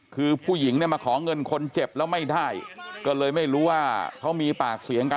คือผู้หญิงเนี่ยมาขอเงินคนเจ็บแล้วไม่ได้ก็เลยไม่รู้ว่าเขามีปากเสียงกัน